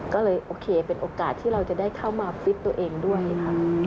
ก็เลยโอเคเป็นโอกาสที่เราจะได้เข้ามาฟิตตัวเองด้วยค่ะ